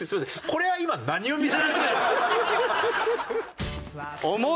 これは今何を見せられてるんですか？